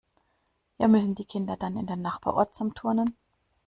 Ja, müssen die Kinder dann in den Nachbarort zum Turnen?